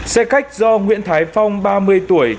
xe khách do nguyễn thái phong ba mươi tuổi